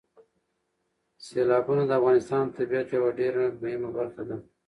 سیلابونه د افغانستان د طبیعت یوه ډېره مهمه برخه ده.